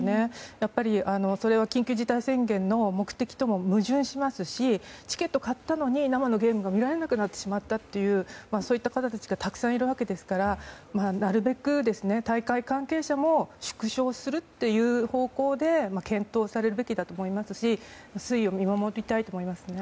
やっぱり、それは緊急事態宣言の目的とも矛盾しますしチケットを買ったのに生のゲームが見られなくなったというそういった方たちがたくさんいるわけですからなるべく大会関係者も縮小するという方向で検討されるべきだと思いますし推移を見守りたいと思います。